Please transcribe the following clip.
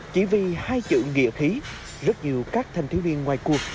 chỉ vì hai chữ nghĩa khí rất nhiều các thành thiếu viên ngoài cuộc